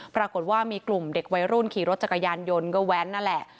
ปรากฏว่ามีกลุ่มเด็กวัยรุ่นขี่รถจักรยานยนต์ก็แว้นนั่นแหละ